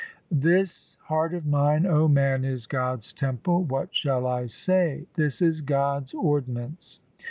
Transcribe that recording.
This heart of thine, O man, is God's temple : What shall I say ? This is God's ordinance.